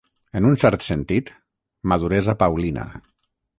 En un cert sentit, maduresa paulina.